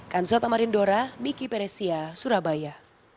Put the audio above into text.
kanza tamarindora miki peresia surabaya